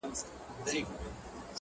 داسي محراب غواړم. داسي محراب راکه.